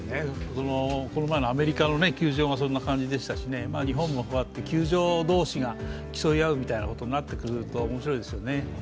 この前のアメリカの球場がそんな感じでしたし、日本もこうやって球場同士が競い合うみたいになってくると面白いですよね。